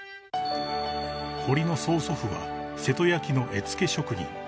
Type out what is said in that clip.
［堀の曽祖父は瀬戸焼の絵付け職人］